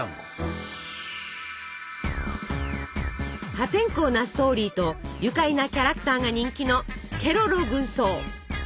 破天荒なストーリーと愉快なキャラクターが人気の「ケロロ軍曹」！